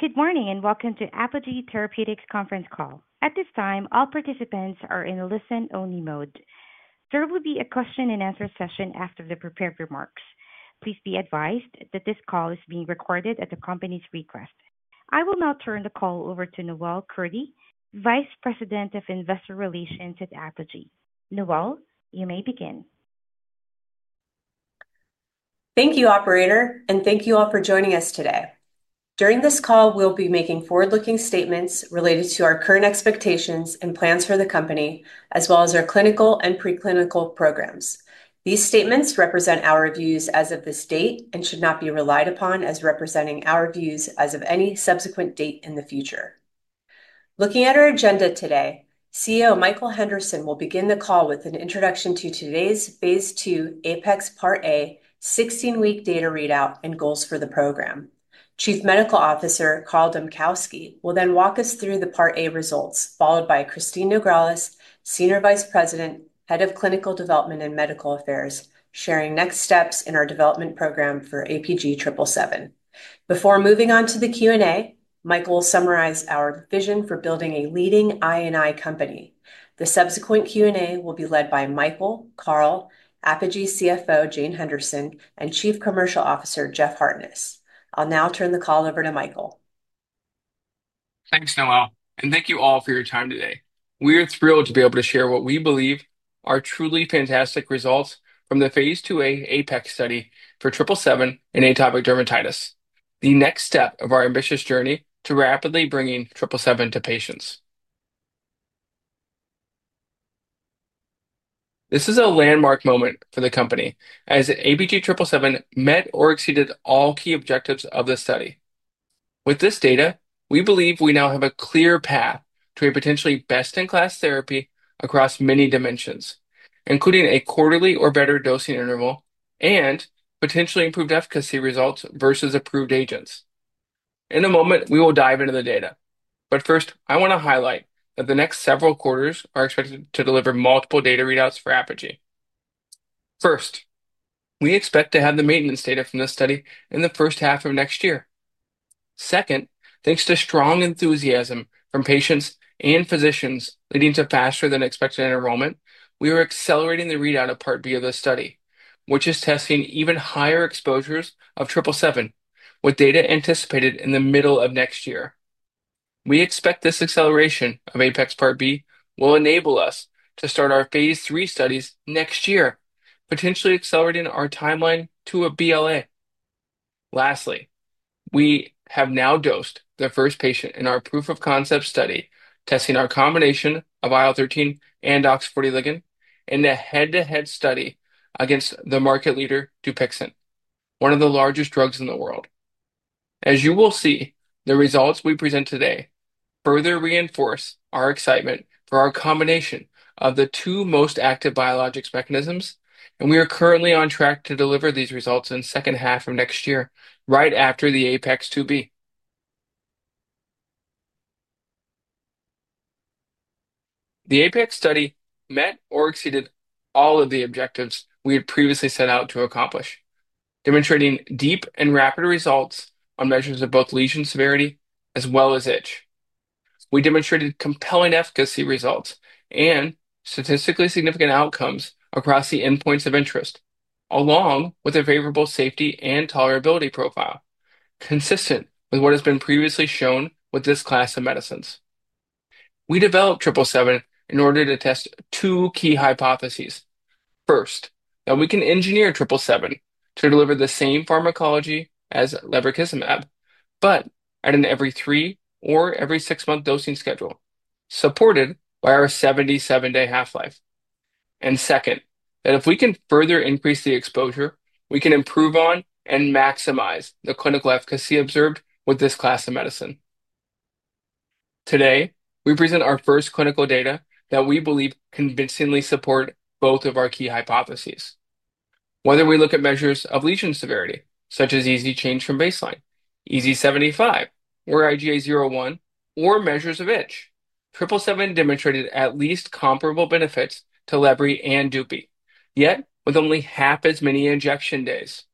Good morning and welcome to Apogee Therapeutics conference call. At this time, all participants are in listen-only mode. There will be a question-and-answer session after the prepared remarks. Please be advised that this call is being recorded at the company's request. I will now turn the call over to Noel Kurti, Vice President of Investor Relations at Apogee. Noel, you may begin. Thank you, operator, and thank you all for joining us today. During this call, we'll be making forward-looking statements related to our current expectations and plans for the company, as well as our clinical and preclinical programs. These statements represent our views as of this date and should not be relied upon as representing our views as of any subsequent date in the future. Looking at our agenda today, CEO Michael Henderson will begin the call with an introduction to today's Phase II APEX Part A, 16-week data readout, and goals for the program. Chief Medical Officer Carl Dambkowski will then walk us through the Part A results, followed by Kristine Nograles, Senior Vice President, Head of Clinical Development and Medical Affairs, sharing next steps in our development program for APG-777. Before moving on to the Q&A, Michael will summarize our vision for building a leading I&I company. The subsequent Q&A will be led by Michael, Carl, Apogee Therapeutics CFO Jane Pritchett Henderson, and Chief Commercial Officer Jeff Hartness. I'll now turn the call over to Michael. Thanks, Noel, and thank you all for your time today. We are thrilled to be able to share what we believe are truly fantastic results from the Phase IIA APEX study for APG-777 and atopic dermatitis, the next step of our ambitious journey to rapidly bringing APG-777 to patients. This is a landmark moment for the company, as APG-777 met or exceeded all key objectives of the study. With this data, we believe we now have a clear path to a potentially best-in-class therapy across many dimensions, including a quarterly or better dosing interval and potentially improved efficacy results versus approved agents. In a moment, we will dive into the data. First, I want to highlight that the next several quarters are expected to deliver multiple data readouts for Apogee Therapeutics. We expect to have the maintenance data from this study in the first half of next year. Thanks to strong enthusiasm from patients and physicians leading to faster-than-expected enrollment, we are accelerating the readout of Part B of this study, which is testing even higher exposures of 777 with data anticipated in the middle of next year. We expect this acceleration of APEX Part B will enable us to start our Phase III studies next year, potentially accelerating our timeline to a BLA. We have now dosed the first patient in our proof of concept study, testing our combination of IL-13 and OX40 ligand in a head-to-head study against the market leader, Dupixent, one of the largest drugs in the world. As you will see, the results we present today further reinforce our excitement for our combination of the two most active biologics mechanisms, and we are currently on track to deliver these results in the second half of next year, right after the APEX 2B. The APEX study met or exceeded all of the objectives we had previously set out to accomplish, demonstrating deep and rapid results on measures of both lesion severity as well as itch. We demonstrated compelling efficacy results and statistically significant outcomes across the endpoints of interest, along with a favorable safety and tolerability profile, consistent with what has been previously shown with this class of medicines. We developed 777 in order to test two key hypotheses. First, that we can engineer 777 to deliver the same pharmacology as lebrikizumab, but at an every three or every six-month dosing schedule, supported by our 77-day half-life. Second, if we can further increase the exposure, we can improve on and maximize the clinical efficacy observed with this class of medicine. Today, we present our first clinical data that we believe convincingly supports both of our key hypotheses. Whether we look at measures of lesion severity, such as Easi-Change from baseline, EASI-75, or IGA 0/1, or measures of itch, APG-777 demonstrated at least comparable benefits to lebrikizumab and Dupixent, yet with only half as many injection days.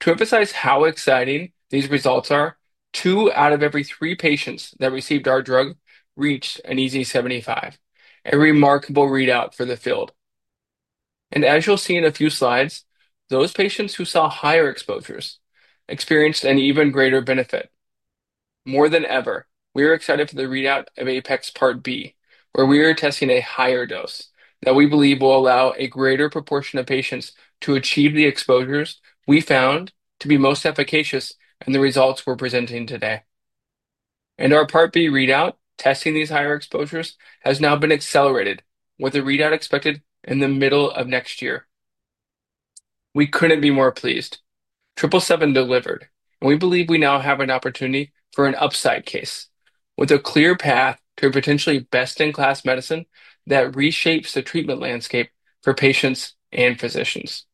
To emphasize how exciting these results are, two out of every three patients that received our drug reached an EASI-75, a remarkable readout for the field. As you'll see in a few slides, those patients who saw higher exposures experienced an even greater benefit. More than ever, we are excited for the readout of APEX Part B, where we are testing a higher dose that we believe will allow a greater proportion of patients to achieve the exposures we found to be most efficacious in the results we're presenting today. Our Part B readout testing these higher exposures has now been accelerated, with a readout expected in the middle of next year. We couldn't be more pleased. 777 delivered, and we believe we now have an opportunity for an upside case with a clear path to a potentially best-in-class medicine that reshapes the treatment landscape for patients and physicians.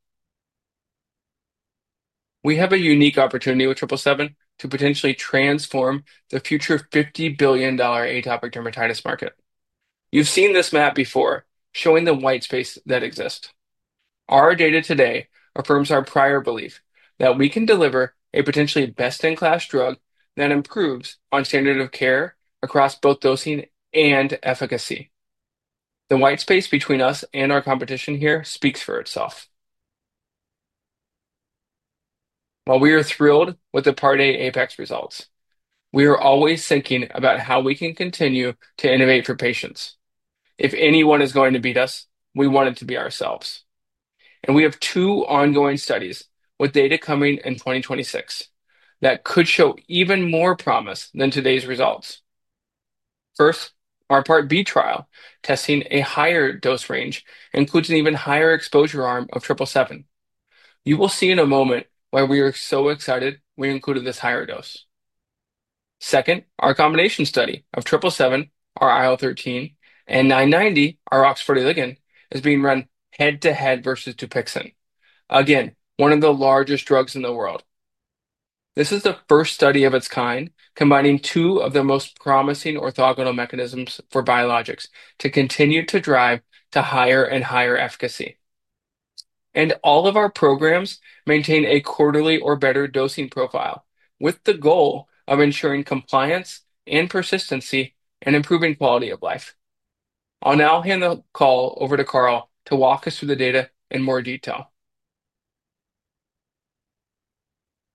We have a unique opportunity with 777 to potentially transform the future $50 billion atopic dermatitis market. You've seen this map before, showing the white space that exists. Our data today affirms our prior belief that we can deliver a potentially best-in-class drug that improves on standard of care across both dosing and efficacy. The white space between us and our competition here speaks for itself. While we are thrilled with the Part A APEX results, we are always thinking about how we can continue to innovate for patients. If anyone is going to beat us, we want it to be ourselves. We have two ongoing studies with data coming in 2026 that could show even more promise than today's results. First, our Part B trial testing a higher dose range includes an even higher exposure arm of 777. You will see in a moment why we are so excited we included this higher dose. Second, our combination study of 777, our IL-13 inhibitor, and 990, our OX40 ligand inhibitor, is being run head-to-head versus Dupixent, again, one of the largest drugs in the world. This is the first study of its kind combining two of the most promising orthogonal mechanisms for biologics to continue to drive to higher and higher efficacy. All of our programs maintain a quarterly or better dosing profile with the goal of ensuring compliance and persistency and improving quality of life. I'll now hand the call over to Carl to walk us through the data in more detail.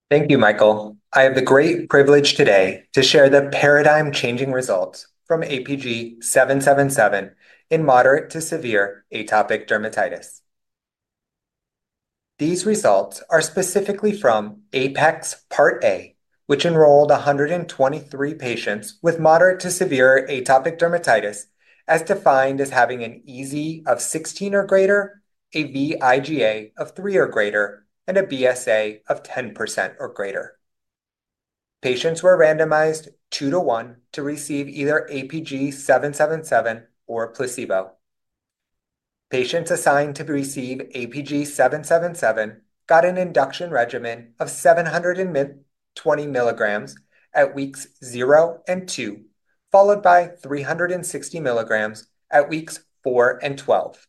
Thank you, Michael. I have the great privilege today to share the paradigm-changing results from APG-777 in moderate to severe atopic dermatitis. These results are specifically from APEX Part A, which enrolled 123 patients with moderate to severe atopic dermatitis as defined as having an EASI of 16 or greater, a vIGA of 3 or greater, and a BSA of 10% or greater. Patients were randomized two to one to receive either APG-777 or placebo. Patients assigned to receive APG-777 got an induction regimen of 720 milligrams at weeks zero and two, followed by 360 milligrams at weeks four and 12.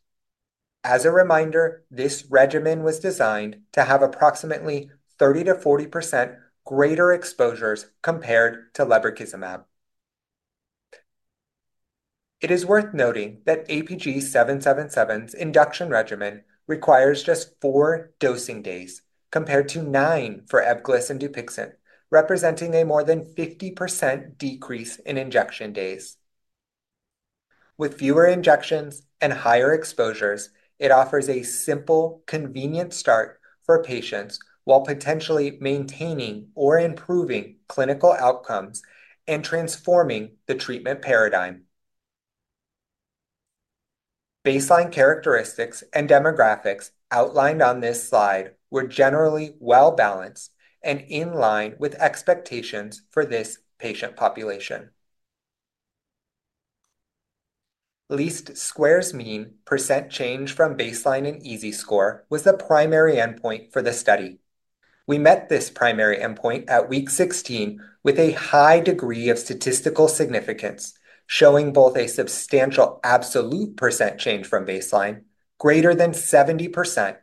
As a reminder, this regimen was designed to have approximately 30%-40% greater exposures compared to lebrikizumab. It is worth noting that 777's induction regimen requires just four dosing days compared to nine for lebrikizumab and Dupixent, representing a more than 50% decrease in injection days. With fewer injections and higher exposures, it offers a simple, convenient start for patients while potentially maintaining or improving clinical outcomes and transforming the treatment paradigm. Baseline characteristics and demographics outlined on this slide were generally well-balanced and in line with expectations for this patient population. Least squares mean percent change from baseline in EASI score was the primary endpoint for the study. We met this primary endpoint at week 16 with a high degree of statistical significance, showing both a substantial absolute percent change from baseline, greater than 70%,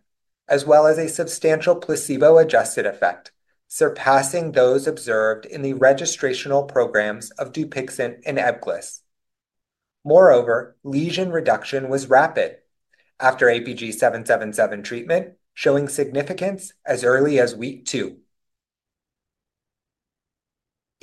as well as a substantial placebo-adjusted effect, surpassing those observed in the registrational programs of Dupixent and lebrikizumab. Moreover, lesion reduction was rapid after APG-777 treatment, showing significance as early as week two.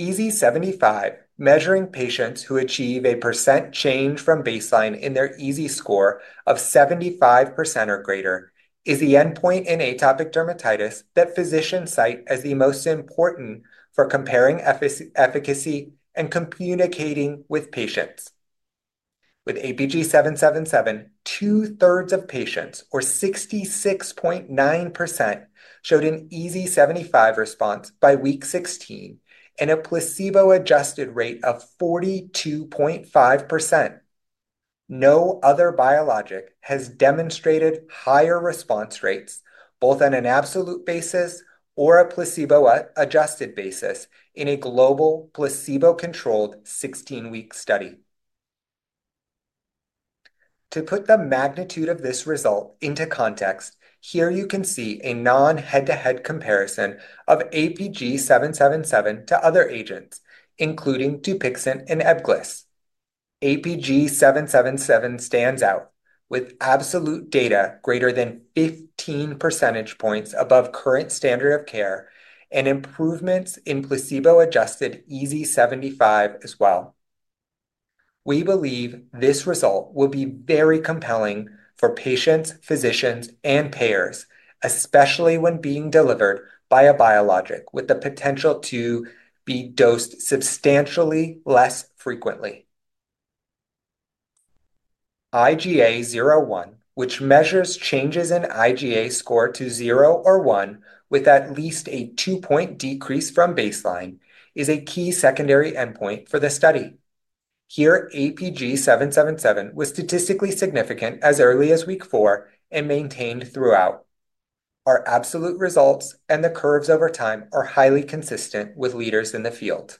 EASI-75, measuring patients who achieve a percent change from baseline in their EASI score of 75% or greater, is the endpoint in atopic dermatitis that physicians cite as the most important for comparing efficacy and communicating with patients. With APG-777, 2/3 of patients, or 66.9%, showed an EASI-75 response by week 16 and a placebo-adjusted rate of 42.5%. No other biologic has demonstrated higher response rates, both on an absolute basis or a placebo-adjusted basis, in a global placebo-controlled 16-week study. To put the magnitude of this result into context, here you can see a non-head-to-head comparison of APG-777 to other agents, including Dupixent and lebrikizumab. APG-777 stands out with absolute data greater than 15 percentage points above current standard of care and improvements in placebo-adjusted EASI-75 as well. We believe this result will be very compelling for patients, physicians, and payers, especially when being delivered by a biologic with the potential to be dosed substantially less frequently. IGA 0/1, which measures changes in IGA score to zero or one with at least a two-point decrease from baseline, is a key secondary endpoint for the study. Here, APG-777 was statistically significant as early as week four and maintained throughout. Our absolute results and the curves over time are highly consistent with leaders in the field.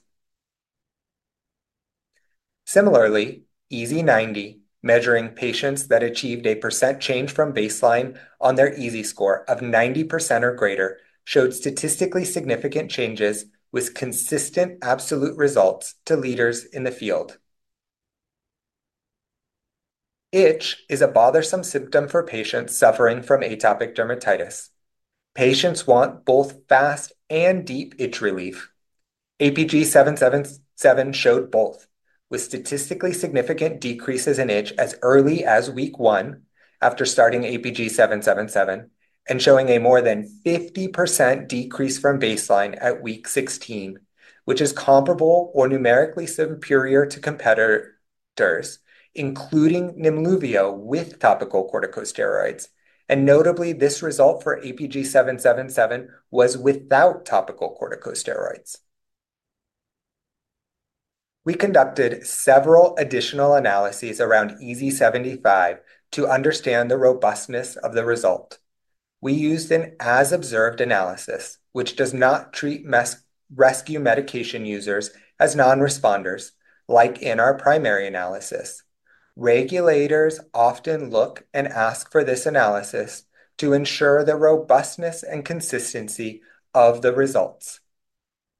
Similarly, EASI-90, measuring patients that achieved a percent change from baseline on their EASI score of 90% or greater, showed statistically significant changes with consistent absolute results to leaders in the field. Itch is a bothersome symptom for patients suffering from atopic dermatitis. Patients want both fast and deep itch relief. APG-777 showed both, with statistically significant decreases in itch as early as week one after starting APG-777 and showing a more than 50% decrease from baseline at week 16, which is comparable or numerically superior to competitors, including lebrikizumab with topical corticosteroids. Notably, this result for APG-777 was without topical corticosteroids. We conducted several additional analyses around EASI-75 to understand the robustness of the result. We used an as-observed analysis, which does not treat rescue medication users as non-responders, like in our primary analysis. Regulators often look and ask for this analysis to ensure the robustness and consistency of the results.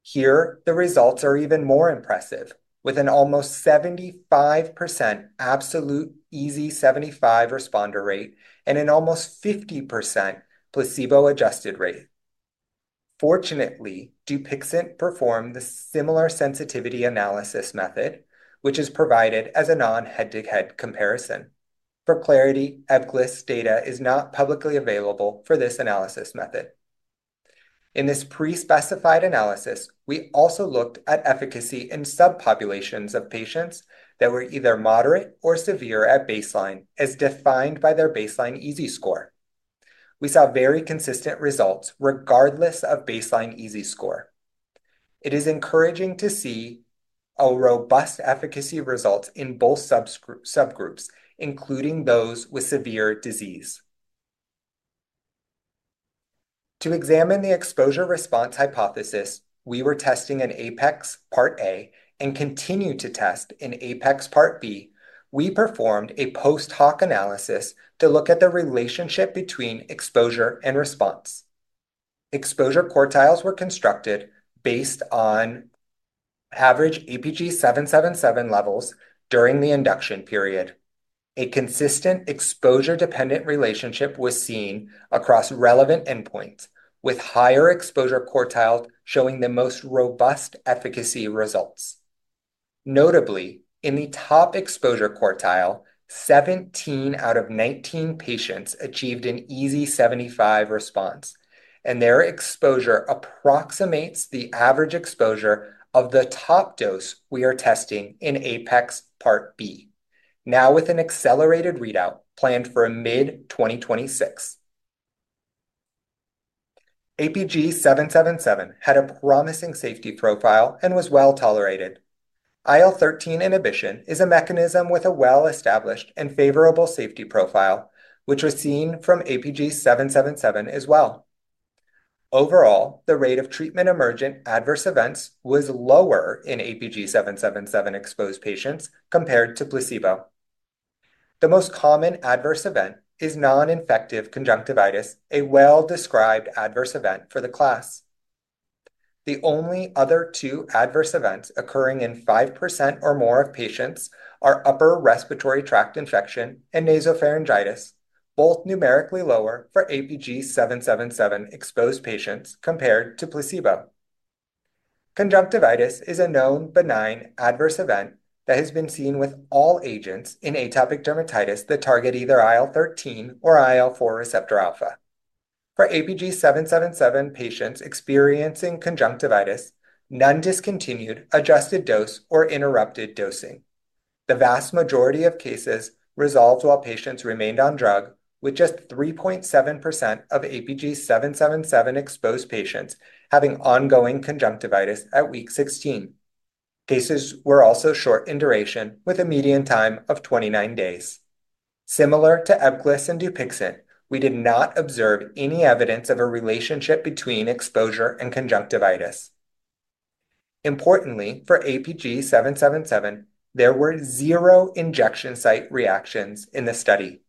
Here, the results are even more impressive, with an almost 75% absolute EASI-75 responder rate and an almost 50% placebo-adjusted rate. Fortunately, Dupixent performed the similar sensitivity analysis method, which is provided as a non-head-to-head comparison. For clarity, lebrikizumab data is not publicly available for this analysis method. In this pre-specified analysis, we also looked at efficacy in subpopulations of patients that were either moderate or severe at baseline, as defined by their baseline EASI score. We saw very consistent results regardless of baseline EASI score. It is encouraging to see a robust efficacy result in both subgroups, including those with severe disease. To examine the exposure-response hypothesis, we were testing in APEX Part A and continue to test in APEX Part B. We performed a post-hoc analysis to look at the relationship between exposure and response. Exposure quartiles were constructed based on average APG-777 levels during the induction period. A consistent exposure-dependent relationship was seen across relevant endpoints, with higher exposure quartiles showing the most robust efficacy results. Notably, in the top exposure quartile, 17 out of 19 patients achieved an EASI-75 response, and their exposure approximates the average exposure of the top dose we are testing in APEX Part B, now with an accelerated readout planned for mid-2026. APG-777 had a promising safety profile and was well-tolerated. IL-13 inhibition is a mechanism with a well-established and favorable safety profile, which was seen from APG-777 as well. Overall, the rate of treatment emergent adverse events was lower in APG-777 exposed patients compared to placebo. The most common adverse event is non-infective conjunctivitis, a well-described adverse event for the class. The only other two adverse events occurring in 5% or more of patients are upper respiratory tract infection and nasopharyngitis, both numerically lower for APG-777 exposed patients compared to placebo. Conjunctivitis is a known benign adverse event that has been seen with all agents in atopic dermatitis that target either IL-13 or IL-4 receptor alpha. For APG-777 patients experiencing conjunctivitis, none discontinued, adjusted dose, or interrupted dosing. The vast majority of cases resolved while patients remained on drug, with just 3.7% of APG-777 exposed patients having ongoing conjunctivitis at week 16. Cases were also short in duration, with a median time of 29 days. Similar to lebrikizumab and Dupixent, we did not observe any evidence of a relationship between exposure and conjunctivitis. Importantly, for APG-777, there were zero injection site reactions in the study.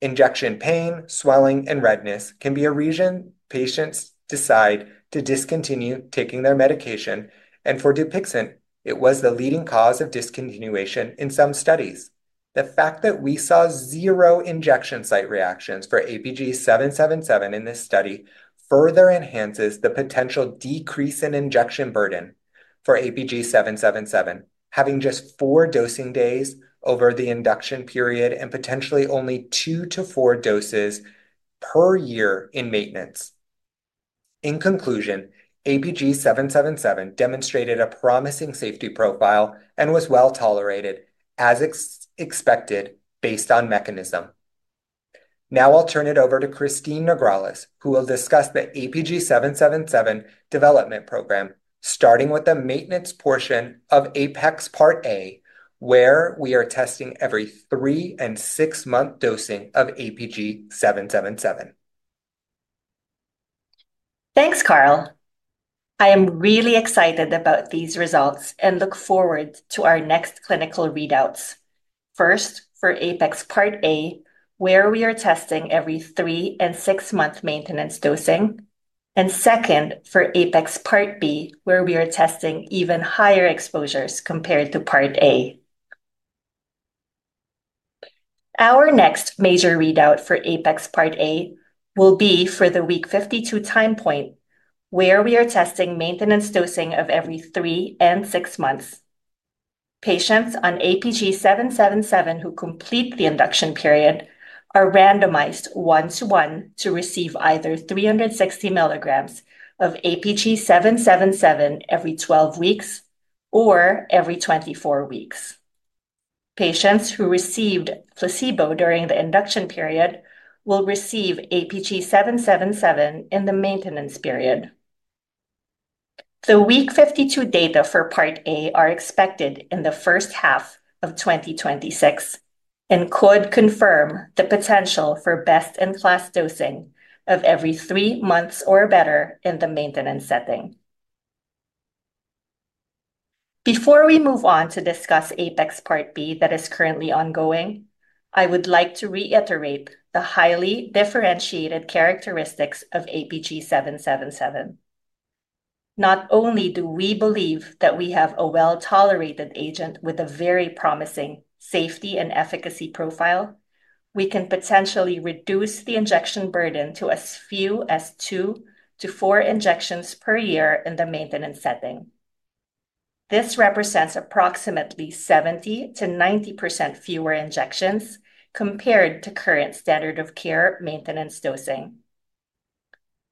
Injection pain, swelling, and redness can be a reason patients decide to discontinue taking their medication, and for Dupixent, it was the leading cause of discontinuation in some studies. The fact that we saw zero injection site reactions for APG-777 in this study further enhances the potential decrease in injection burden for APG-777, having just four dosing days over the induction period and potentially only two to four doses per year in maintenance. In conclusion, APG-777 demonstrated a promising safety profile and was well-tolerated, as expected, based on mechanism. Now I'll turn it over to Kristine Nograles, who will discuss the APG-777 development program, starting with the maintenance portion of APEX Part A, where we are testing every three and six-month dosing of APG-777. Thanks, Carl. I am really excited about these results and look forward to our next clinical readouts. First, for APEX Part A, where we are testing every three and six-month maintenance dosing, and second, for APEX Part B, where we are testing even higher exposures compared to Part A. Our next major readout for APEX Part A will be for the week 52 time point, where we are testing maintenance dosing of every three and six months. Patients on APG-777 who complete the induction period are randomized one to one to receive either 360 milligrams of APG-777 every 12 weeks or every 24 weeks. Patients who received placebo during the induction period will receive APG-777 in the maintenance period. The week 52 data for Part A are expected in the first half of 2026 and could confirm the potential for best-in-class dosing of every three months or better in the maintenance setting. Before we move on to discuss APEX Part B that is currently ongoing, I would like to reiterate the highly differentiated characteristics of APG-777. Not only do we believe that we have a well-tolerated agent with a very promising safety and efficacy profile, we can potentially reduce the injection burden to as few as two to four injections per year in the maintenance setting. This represents approximately 70%-90% fewer injections compared to current standard-of-care maintenance dosing.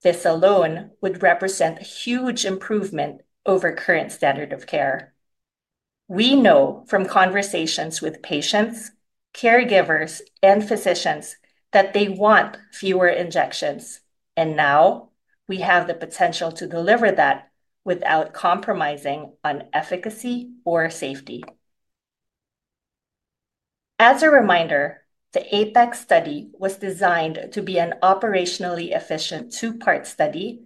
This alone would represent a huge improvement over current standard of care. We know from conversations with patients, caregivers, and physicians that they want fewer injections, and now we have the potential to deliver that without compromising on efficacy or safety. As a reminder, the APEX study was designed to be an operationally efficient two-part study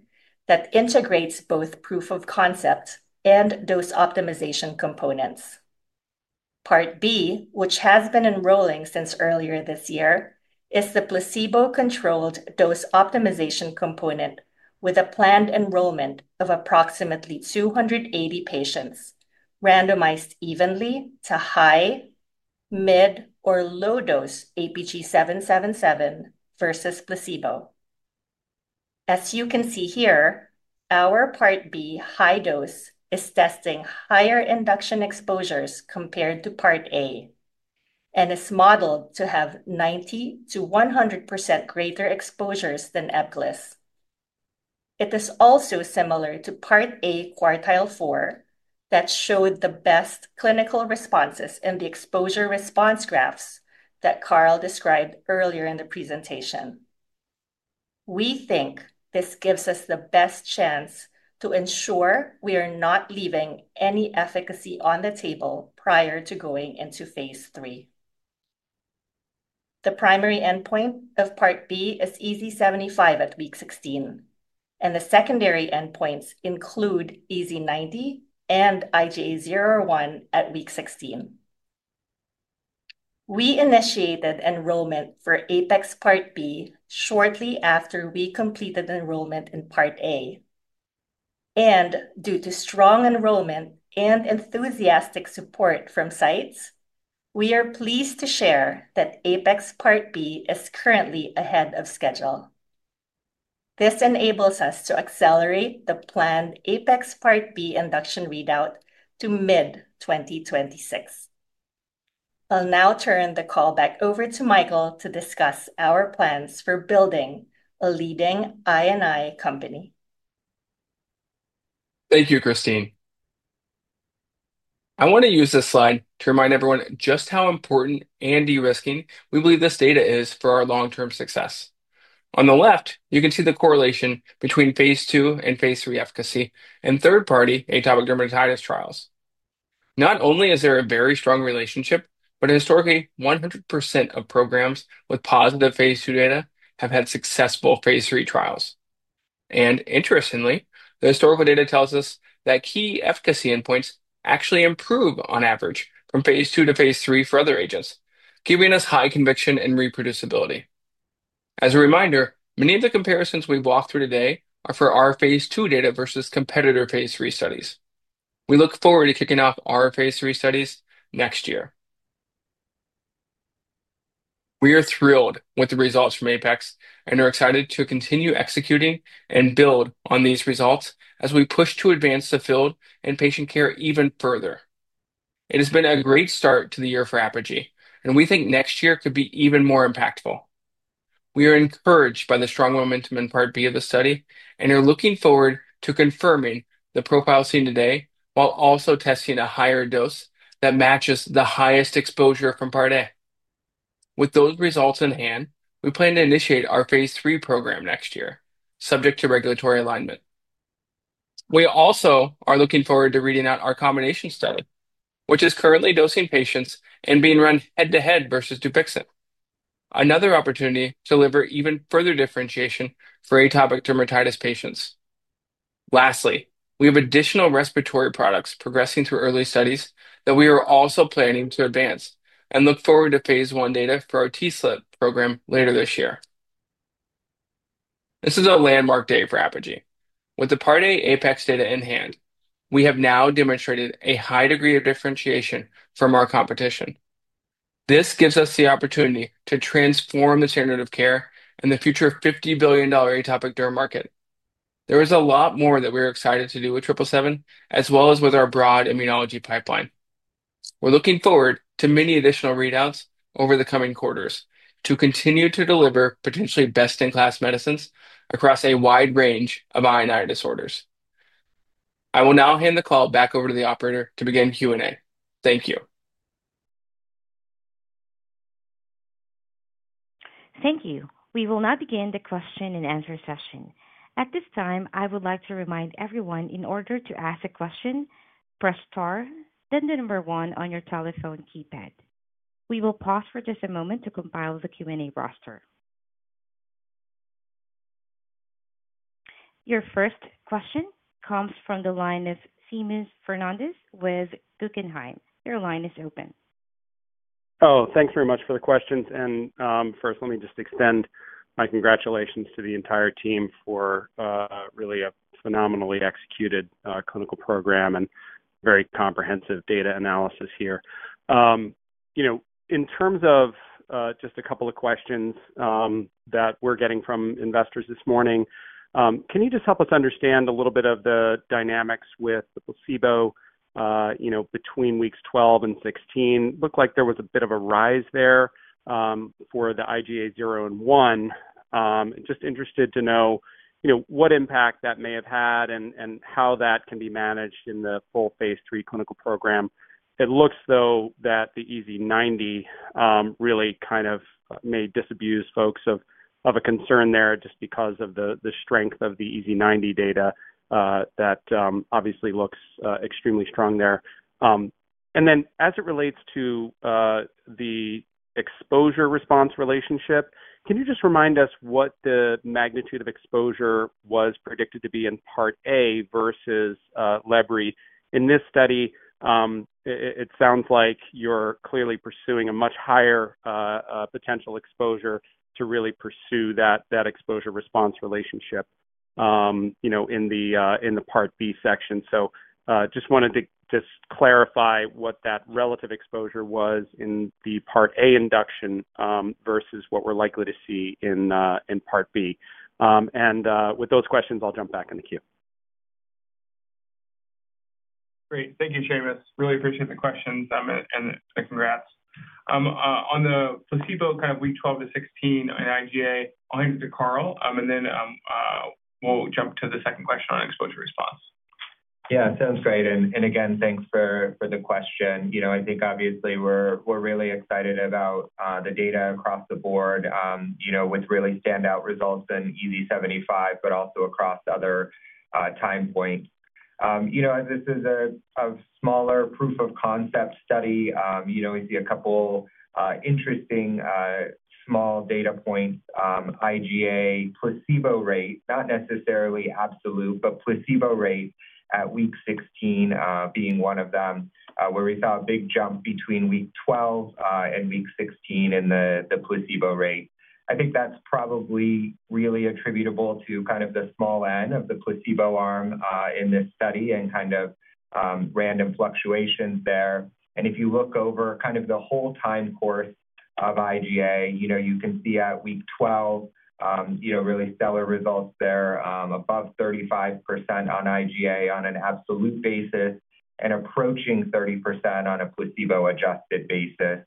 that integrates both proof of concept and dose optimization components. Part B, which has been enrolling since earlier this year, is the placebo-controlled dose optimization component with a planned enrollment of approximately 280 patients randomized evenly to high, mid, or low-dose APG-777 versus placebo. As you can see here, our Part B high dose is testing higher induction exposures compared to Part A and is modeled to have 90%-100% greater exposures than lebrikizumab. It is also similar to Part A quartile four that showed the best clinical responses in the exposure-response graphs that Carl described earlier in the presentation. We think this gives us the best chance to ensure we are not leaving any efficacy on the table prior to going into Phase III. The primary endpoint of Part B is EASI-75 at week 16, and the secondary endpoints include EASI-90 and IGA 0/1 at week 16. We initiated enrollment for APEX Part B shortly after we completed enrollment in Part A, and due to strong enrollment and enthusiastic support from sites, we are pleased to share that APEX Part B is currently ahead of schedule. This enables us to accelerate the planned APEX Part B induction readout to mid-2026. I'll now turn the call back over to Michael to discuss our plans for building a leading I&I company. Thank you, Kristine. I want to use this slide to remind everyone just how important and de-risking we believe this data is for our long-term success. On the left, you can see the correlation between Phase II and Phase III efficacy in third-party atopic dermatitis trials. There is a very strong relationship, and historically, 100% of programs with positive Phase II data have had successful Phase III trials. Interestingly, the historical data tells us that key efficacy endpoints actually improve on average from Phase II to Phase III for other agents, giving us high conviction and reproducibility. As a reminder, many of the comparisons we've walked through today are for our Phase II data versus competitor Phase III studies. We look forward to kicking off our Phase III studies next year. We are thrilled with the results from APEX and are excited to continue executing and build on these results as we push to advance the field and patient care even further. It has been a great start to the year for Apogee, and we think next year could be even more impactful. We are encouraged by the strong momentum in Part B of the study and are looking forward to confirming the profile seen today while also testing a higher dose that matches the highest exposure from Part A. With those results in hand, we plan to initiate our Phase III program next year, subject to regulatory alignment. We also are looking forward to reading out our combination study, which is currently dosing patients and being run head-to-head versus Dupixent, another opportunity to deliver even further differentiation for atopic dermatitis patients. Lastly, we have additional respiratory products progressing through early studies that we are also planning to advance and look forward to Phase I data for our T-slip program later this year. This is a landmark day for Apogee. With the Part A APEX data in hand, we have now demonstrated a high degree of differentiation from our competition. This gives us the opportunity to transform the standard of care and the future of a $50 billion atopic derm market. There is a lot more that we are excited to do with 777, as well as with our broad immunology pipeline. We're looking forward to many additional readouts over the coming quarters to continue to deliver potentially best-in-class medicines across a wide range of I&I disorders. I will now hand the call back over to the operator to begin Q&A. Thank you. Thank you. We will now begin the question and answer session. At this time, I would like to remind everyone, in order to ask a question, press star, then the number one on your telephone keypad. We will pause for just a moment to compile the Q&A roster. Your first question comes from the line of Seamus Fernerndez with Guggenheim. Your line is open. Thanks very much for the questions. First, let me just extend my congratulations to the entire team for really a phenomenally executed clinical program and very comprehensive data analysis here. In terms of just a couple of questions that we're getting from investors this morning, can you just help us understand a little bit of the dynamics with the placebo between weeks 12 and 16? It looked like there was a bit of a rise there for the IgA 0/1. I'm just interested to know what impact that may have had and how that can be managed in the full Phase III clinical program. It looks, though, that the EASI-90 really kind of may disabuse folks of a concern there just because of the strength of the EASI-90 data that obviously looks extremely strong there. As it relates to the exposure-response relationship, can you just remind us what the magnitude of exposure was predicted to be in Part A versus lebrikizumab? In this study, it sounds like you're clearly pursuing a much higher potential exposure to really pursue that exposure-response relationship in the Part B section. I just wanted to clarify what that relative exposure was in the Part A induction versus what we're likely to see in Part B. With those questions, I'll jump back in the queue. Great. Thank you, Seamus. Really appreciate the questions and the congrats. On the placebo kind of week 12-16 and IgA, I'll hand it to Carl, and then we'll jump to the second question on exposure response. Yeah, sounds great. Again, thanks for the question. I think obviously we're really excited about the data across the board, with really standout results in EASI-75, but also across other time points. As this is a smaller proof of concept study, we see a couple interesting small data points: IgA placebo rate, not necessarily absolute, but placebo rate at week 16 being one of them, where we saw a big jump between week 12 and week 16 in the placebo rate. I think that's probably really attributable to the small n of the placebo arm in this study and random fluctuations there. If you look over the whole time course of IgA, you can see at week 12, really stellar results there, above 35% on IgA on an absolute basis and approaching 30% on a placebo-adjusted basis.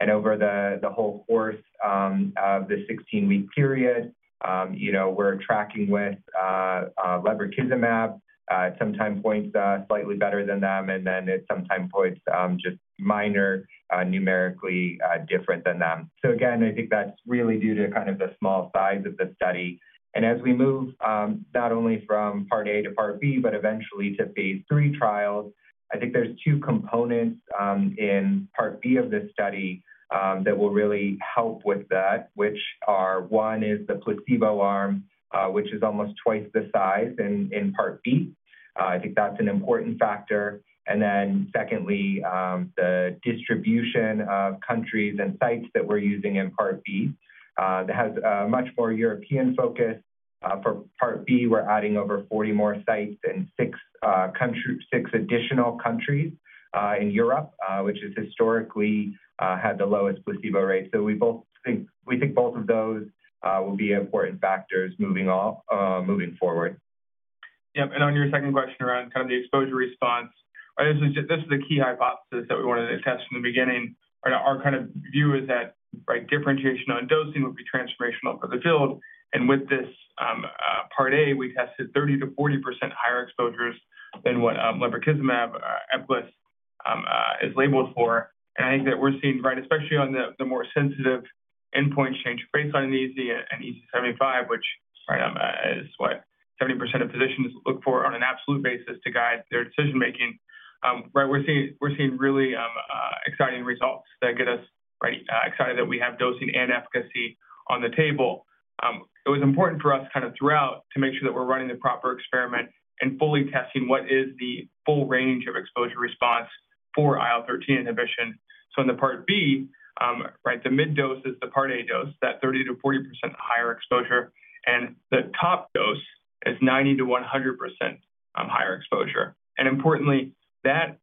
Over the whole course of the 16-week period, we're tracking with lebrikizumab at some time points slightly better than them, and at some time points just minor numerically different than them. I think that's really due to the small size of the study. As we move not only from Part A to Part B, but eventually to Phase III trials, I think there's two components in Part B of this study that will really help with that, which are one is the placebo arm, which is almost twice the size in Part B. I think that's an important factor. Secondly, the distribution of countries and sites that we're using in Part B has a much more European focus. For Part B, we're adding over 40 more sites in six additional countries in Europe, which has historically had the lowest placebo rate. We think both of those will be important factors moving forward. Yep. On your second question around kind of the exposure response, this is a key hypothesis that we wanted to test from the beginning. Our kind of view is that differentiation on dosing would be transformational for the field. With this Part A, we tested 30%-40% higher exposures than what lebrikizumab is labeled for. I think that we're seeing, especially on the more sensitive endpoints, change from baseline EASI and EASI-75, which is what 70% of physicians look for on an absolute basis to guide their decision-making. We're seeing really exciting results that get us excited that we have dosing and efficacy on the table. It was important for us throughout to make sure that we're running the proper experiment and fully testing what is the full range of exposure response for IL-13 inhibition. In the Part B, the mid-dose is the Part A dose, that 30%-40% higher exposure, and the top dose is 90%-100% higher exposure. Importantly, that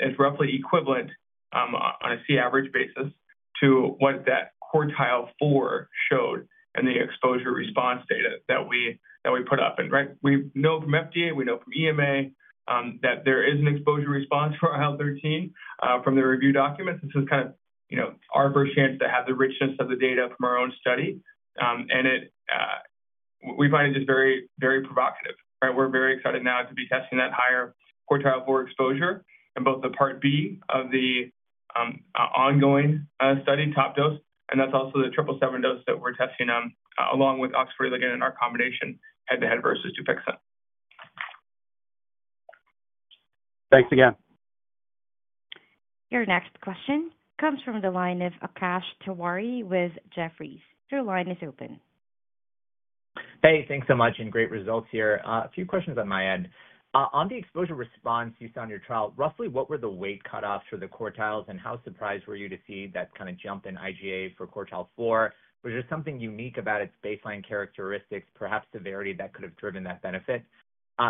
is roughly equivalent on a C average basis to what that quartile four showed in the exposure response data that we put up. We know from FDA, we know from EMA that there is an exposure response for IL-13 from the review documents. This is our first chance to have the richness of the data from our own study. We find it just very, very provocative. We're very excited now to be testing that higher quartile four exposure in both the Part B of the ongoing study top dose, and that's also the APG-777 dose that we're testing along with OX40 ligand in our combination head-to-head versus Dupixent. Thanks again. Your next question comes from the line of Akash Tawari with Jefferies. Your line is open. Hey, thanks so much and great results here. A few questions on my end. On the exposure response you saw in your trial, roughly what were the weight cutoffs for the quartiles, and how surprised were you to see that kind of jump in IgA for quartile four? Was there something unique about its baseline characteristics, perhaps severity that could have driven that benefit?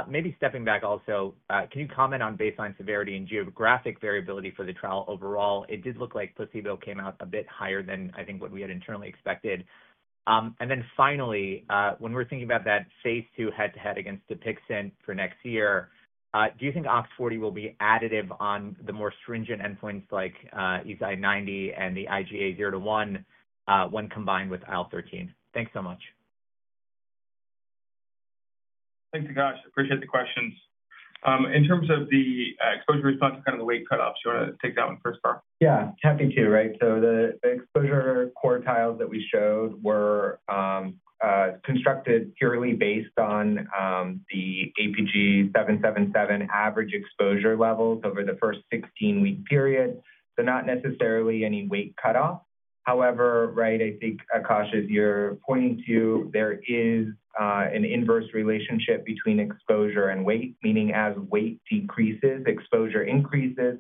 Maybe stepping back also, can you comment on baseline severity and geographic variability for the trial overall? It did look like placebo came out a bit higher than I think what we had internally expected. Finally, when we're thinking about that Phase II head-to-head against Dupixent for next year, do you think OX40 will be additive on the more stringent endpoints like EASI-90 and the IgA 0/1 when combined with IL-13? Thanks so much. Thanks, Akash. Appreciate the questions. In terms of the exposure response to the weight cutoffs, do you want to take that one first, Carl? Yeah, happy to, right? The exposure quartiles that we showed were constructed purely based on the APG-777 average exposure levels over the first 16-week period. Not necessarily any weight cutoff. However, I think Akash, as you're pointing to, there is an inverse relationship between exposure and weight, meaning as weight decreases, exposure increases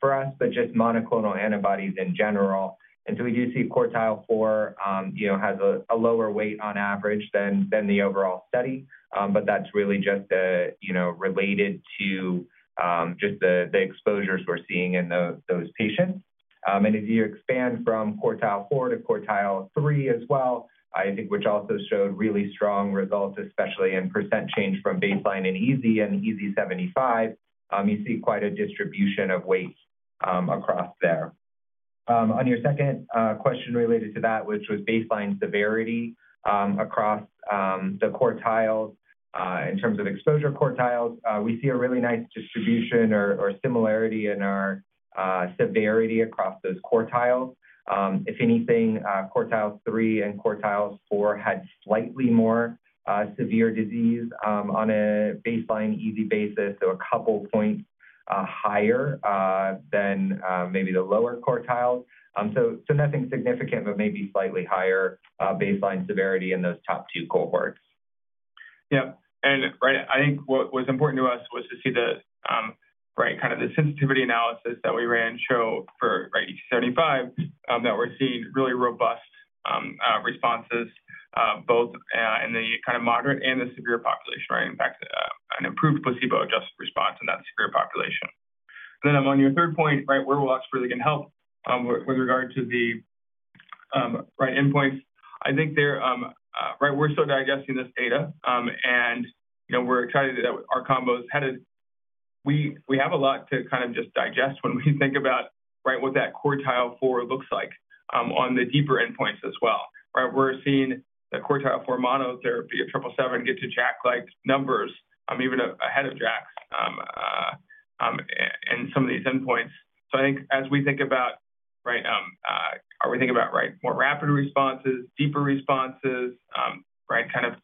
for us, but just monoclonal antibodies in general. We do see quartile four has a lower weight on average than the overall study, but that's really just related to the exposures we're seeing in those patients. As you expand from quartile four to quartile three as well, which also showed really strong results, especially in % change from baseline in EASI and EASI-75, you see quite a distribution of weight across there. On your second question related to that, which was baseline severity across the quartiles in terms of exposure quartiles, we see a really nice distribution or similarity in our severity across those quartiles. If anything, quartile three and quartile four had slightly more severe disease on a baseline EASI basis, so a couple points higher than maybe the lower quartiles. Nothing significant, but maybe slightly higher baseline severity in those top two cohorts. Yep. I think what was important to us was to see the kind of the sensitivity analysis that we ran show for EASI-75 that we're seeing really robust responses both in the kind of moderate and the severe population, right? In fact, an improved placebo-adjusted response in that severe population. On your third point, where will OX40 ligand help with regard to the endpoints, I think we're still digesting this data, and we're excited that our combo is headed. We have a lot to kind of just digest when we think about what that quartile four looks like on the deeper endpoints as well. We're seeing the quartile four monotherapy of APG-777 get to JAK-like numbers even ahead of JAKs in some of these endpoints. I think as we think about, are we thinking about more rapid responses, deeper responses, kind of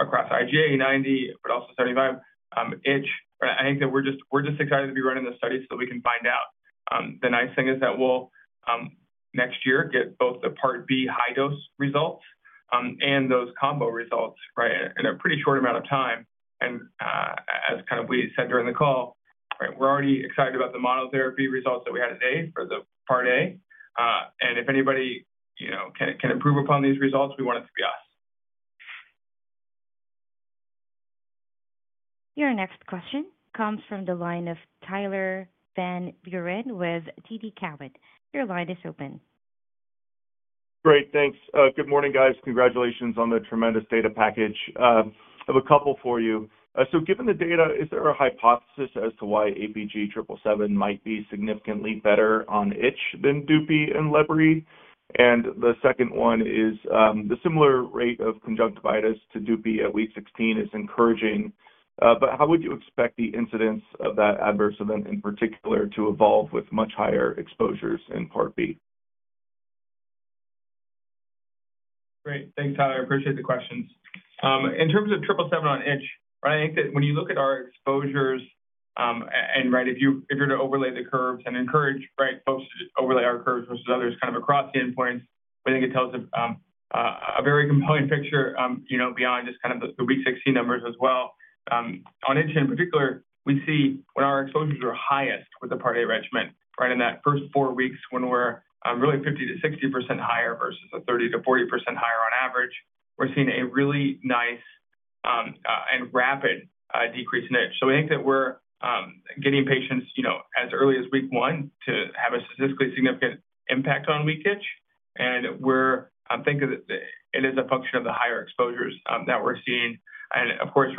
across IgA, 90, but also 75 itch, I think that we're just excited to be running the study so that we can find out. The nice thing is that next year, we'll get both the Part B high dose results and those combo results in a pretty short amount of time. As we said during the call, we're already excited about the monotherapy results that we had today for the Part A. If anybody can improve upon these results, we want it to be us. Your next question comes from the line of Tyler Van Buren with TD Cowen. Your line is open. Great, thanks. Good morning, guys. Congratulations on the tremendous data package. I have a couple for you. Given the data, is there a hypothesis as to why APG-777 might be significantly better on itch than Dupixent and lebrikizumab? The similar rate of conjunctivitis to Dupixent at week 16 is encouraging, but how would you expect the incidence of that adverse event in particular to evolve with much higher exposures in Part B? Great. Thanks, Tyler. I appreciate the questions. In terms of triple seven on itch, I think that when you look at our exposures, and if you were to overlay the curves and encourage folks to overlay our curves versus others kind of across the endpoints, I think it tells a very compelling picture beyond just kind of the week 16 numbers as well. On itch in particular, we see when our exposures are highest with the Part A regimen, right in that first four weeks when we're really 50%-60% higher versus a 30%-40% higher on average, we're seeing a really nice and rapid decrease in itch. I think that we're getting patients as early as week one to have a statistically significant impact on weak itch, and I think that it is a function of the higher exposures that we're seeing. Of course,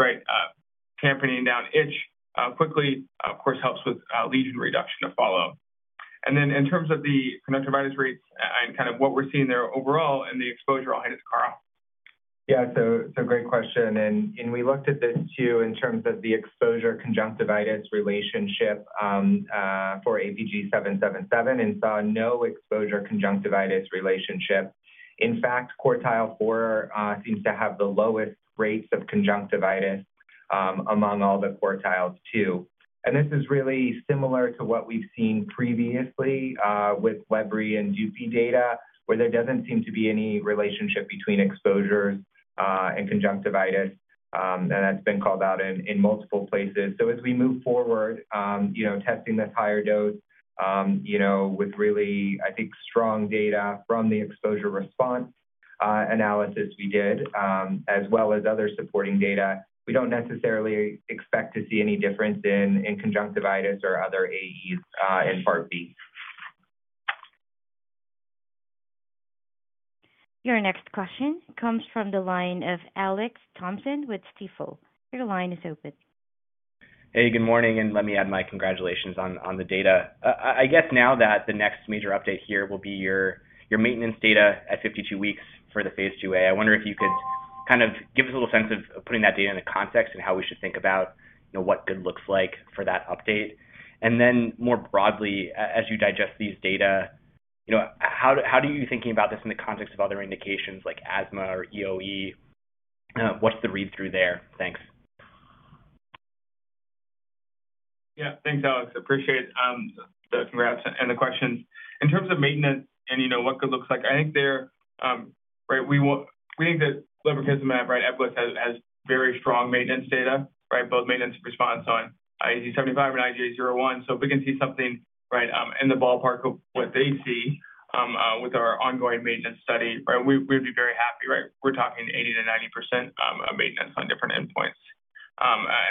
tampering down itch quickly helps with lesion reduction to follow. In terms of the conjunctivitis rates and kind of what we're seeing there overall in the exposure, I'll hand it to Carl. Yeah, great question. We looked at this too in terms of the exposure-conjunctivitis relationship for APG-777 and saw no exposure-conjunctivitis relationship. In fact, quartile four seems to have the lowest rates of conjunctivitis among all the quartiles too. This is really similar to what we've seen previously with lebrikizumab and Dupixent (dupilumab) data, where there doesn't seem to be any relationship between exposures and conjunctivitis. That's been called out in multiple places. As we move forward, testing this higher dose with really, I think, strong data from the exposure response analysis we did, as well as other supporting data, we don't necessarily expect to see any difference in conjunctivitis or other AEs in Part B. Your next question comes from the line of Alex Thompson with Stifel. Your line is open. Good morning. Let me add my congratulations on the data. I guess now that the next major update here will be your maintenance data at 52 weeks for the Phase IIA. I wonder if you could kind of give us a little sense of putting that data into context and how we should think about what good looks like for that update. More broadly, as you digest these data, how are you thinking about this in the context of other indications like asthma or EOE? What's the read-through there? Thanks. Yeah, thanks, Alex. Appreciate the congrats and the questions. In terms of maintenance and what good looks like, I think we think that lebrikizumab has very strong maintenance data, both maintenance response on EASI-75 and IGA 0/1. If we can see something in the ballpark of what they see with our ongoing maintenance study, we would be very happy. We're talking 80%-90% maintenance on different endpoints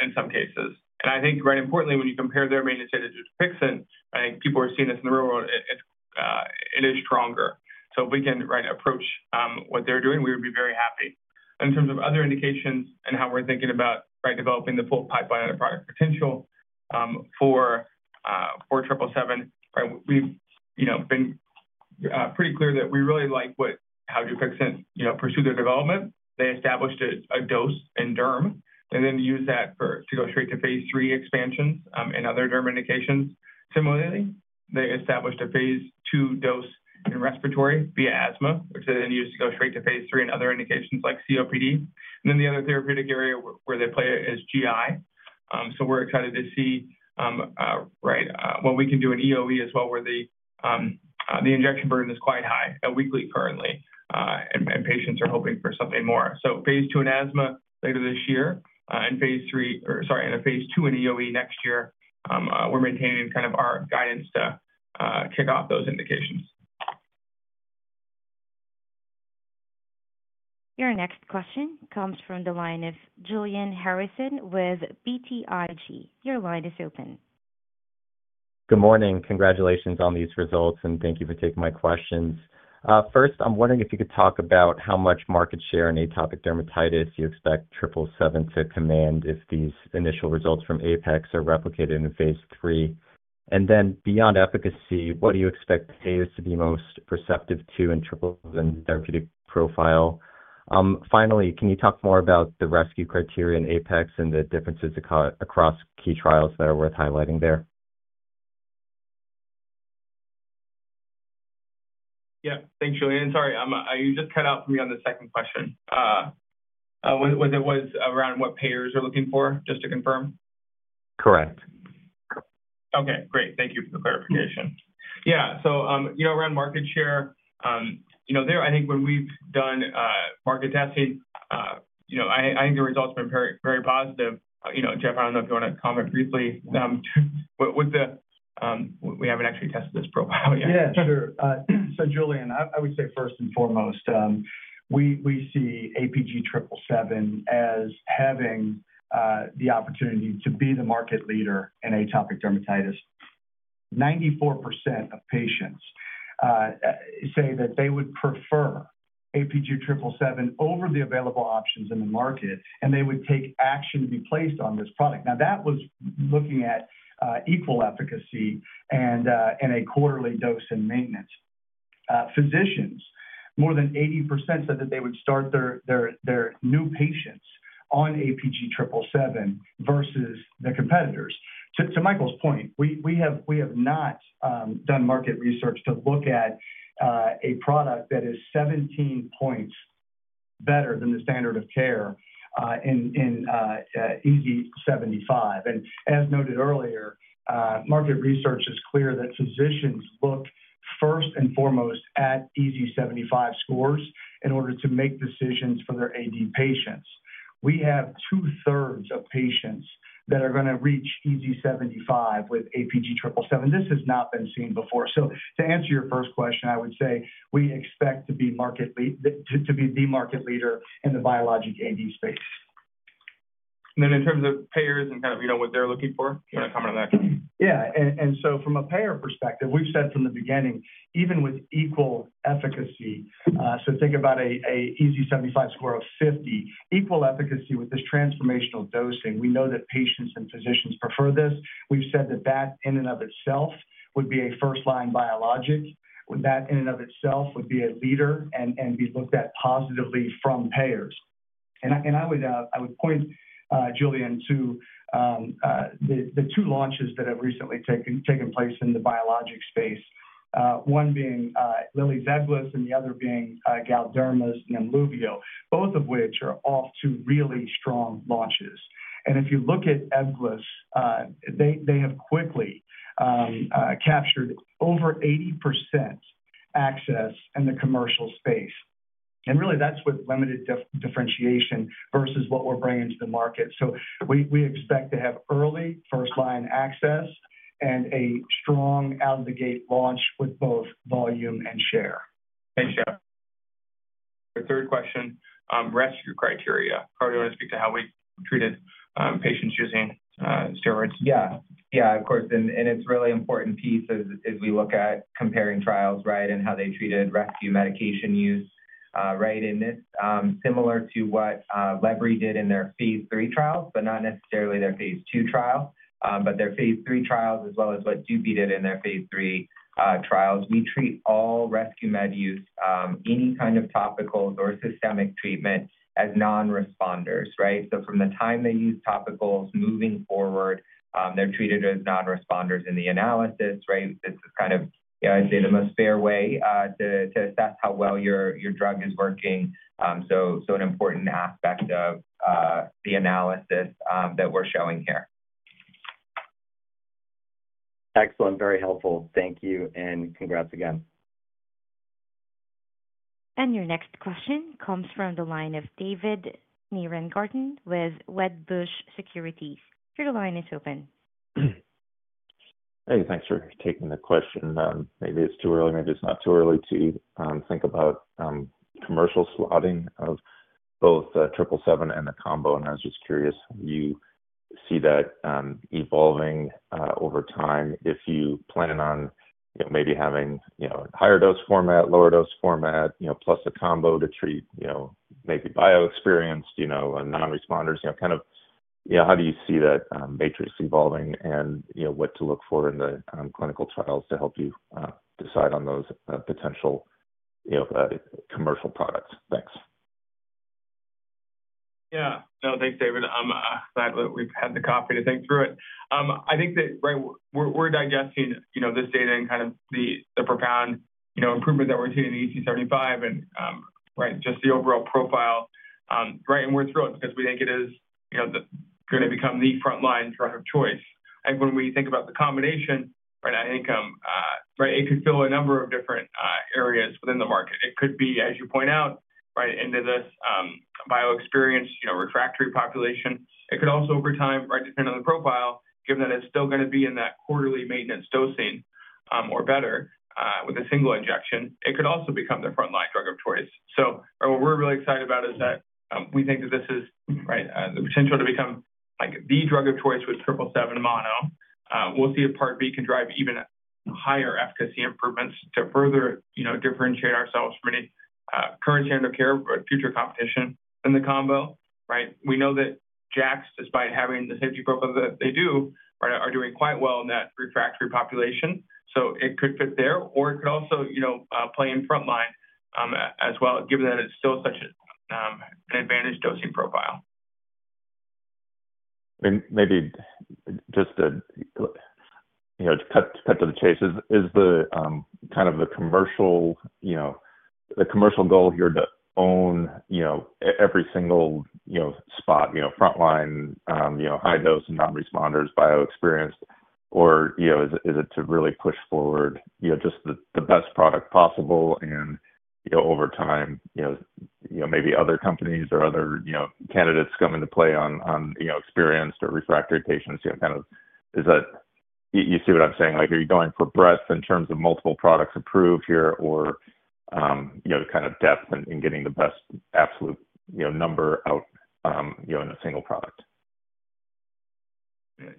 in some cases. I think, importantly, when you compare their maintenance data to Dupixent, I think people are seeing this in the real world. It is stronger. If we can approach what they're doing, we would be very happy. In terms of other indications and how we're thinking about developing the full pipeline and the product potential for 777, we've been pretty clear that we really like how Dupixent pursued their development. They established a dose in derm and then used that to go straight to Phase III expansions in other derm indications. Similarly, they established a Phase II dose in respiratory via asthma, which they then used to go straight to Phase III in other indications like COPD. The other therapeutic area where they play is GI. We're excited to see what we can do in EOE as well, where the injection burden is quite high at weekly currently, and patients are hoping for something more. Phase II in asthma later this year and a Phase II in EOE next year, we're maintaining kind of our guidance to kick off those indications. Your next question comes from the line of Julian Harrison with BTIG. Your line is open. Good morning. Congratulations on these results, and thank you for taking my questions. First, I'm wondering if you could talk about how much market share in atopic dermatitis you expect APG-777 to command if these initial results from the APEX study are replicated in Phase III. Beyond efficacy, what do you expect physicians to be most receptive to in APG-777's therapeutic profile? Finally, can you talk more about the rescue criteria in the APEX study and the differences across key trials that are worth highlighting there? Yeah, thanks, Julian. Sorry, you just cut out for me on the second question. Was it around what payers are looking for, just to confirm? Correct. Okay, great. Thank you for the clarification. Yeah, so you know around market share, I think when we've done market testing, I think the results have been very positive. Jeff, I don't know if you want to comment briefly. We haven't actually tested this profile yet. Yeah, sure. Julian, I would say first and foremost, we see APG-777 as having the opportunity to be the market leader in atopic dermatitis. 94% of patients say that they would prefer APG-777 over the available options in the market, and they would take action to be placed on this product. That was looking at equal efficacy and a quarterly dose in maintenance. Physicians, more than 80%, said that they would start their new patients on APG-777 versus the competitors. To Michael's point, we have not done market research to look at a product that is 17 points better than the standard of care in EASI-75. As noted earlier, market research is clear that physicians look first and foremost at EASI-75 scores in order to make decisions for their AD patients. We have 2/3 of patients that are going to reach EASI-75 with APG-777. This has not been seen before. To answer your first question, I would say we expect to be the market leader in the biologic AD space. In terms of payers and kind of what they're looking for, can you comment on that? Yeah. From a payer perspective, we've said from the beginning, even with equal efficacy, so think about an EASI-75 score of 50, equal efficacy with this transformational dosing, we know that patients and physicians prefer this. We've said that that in and of itself would be a first-line biologic. That in and of itself would be a leader and be looked at positively from payers. I would point, Julian, to the two launches that have recently taken place in the biologic space, one being Lilly's lebrikizumab and the other being Galderma's Nemolizumab, both of which are off to really strong launches. If you look at lebrikizumab, they have quickly captured over 80% access in the commercial space. That's with limited differentiation versus what we're bringing to the market. We expect to have early first-line access and a strong out-of-the-gate launch with both volume and share. Thanks, Jeff. Your third question, rescue criteria. Carl, do you want to speak to how we treated patients using steroids? Yeah, yeah, of course. It's a really important piece as we look at comparing trials and how they treated rescue medication use. It's similar to what lebrikizumab did in their Phase III trials, but not necessarily their Phase II trial, but their Phase III trials, as well as what Dupixent did in their Phase III trials. We treat all rescue med use, any kind of topicals or systemic treatment, as non-responders. From the time they use topicals, moving forward, they're treated as non-responders in the analysis. This is kind of, I'd say, the most fair way to assess how well your drug is working. An important aspect of the analysis that we're showing here. Excellent, very helpful. Thank you and congrats again. Your next question comes from the line of David Nierengarten with Wedbush Securities. Your line is open. Hey, thanks for taking the question. Maybe it's too early, maybe it's not too early to think about commercial slotting of both APG-777 and the combo. I was just curious, do you see that evolving over time if you plan on maybe having a higher dose format, lower dose format, plus a combo to treat maybe bio-experienced non-responders? How do you see that matrix evolving and what to look for in the clinical trials to help you decide on those potential commercial products? Thanks. Yeah, no, thanks, David. I'm glad that we've had the coffee to think through it. I think that we're digesting this data and kind of the profound improvement that we're seeing in EASI-75 and just the overall profile. We're thrilled because we think it is going to become the frontline drug of choice. I think when we think about the combination, I think it could fill a number of different areas within the market. It could be, as you point out, into this bio-experienced, refractory population. It could also, over time, depending on the profile, given that it's still going to be in that quarterly maintenance dosing or better with a single injection, it could also become the frontline drug of choice. What we're really excited about is that we think that this is the potential to become the drug of choice with APG-777 mono. We'll see if Part B can drive even higher efficacy improvements to further differentiate ourselves from any current standard of care or future competition in the combo. We know that JAKs, despite having the safety profile that they do, are doing quite well in that refractory population. It could fit there, or it could also play in frontline as well, given that it's still such an advantage dosing profile. Maybe just to cut to the chase, is the commercial goal here to own every single spot, frontline, high dose, non-responders, bio-experienced, or is it to really push forward just the best product possible? Over time, maybe other companies or other candidates come into play on experienced or refractory patients. Do you see what I'm saying? Are you going for breadth in terms of multiple products approved here or depth in getting the best absolute number out in a single product?